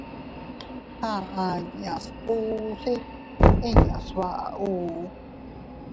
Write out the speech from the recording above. Aʼa inñas usse inña sbaʼa ù.